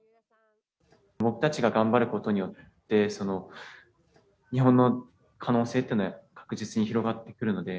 僕たちが頑張ることによって、日本の可能性っていうのは確実に広がってくるので。